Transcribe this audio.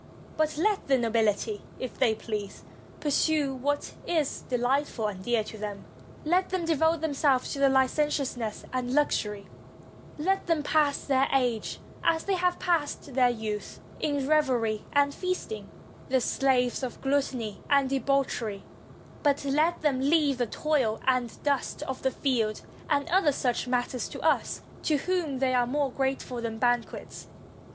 But let the nobiHty, if they please, pursue what is delightful and dear to them ; let them devote themselves to Hcentiousness and luxury ; let them pass their age as they have passed their youth, in revelry and feasting, the slaves of gluttony and de bauchery; but let them leave the toil and dust of the field and other such matters to us, to whom they are 357 ROME more grateful than banquets.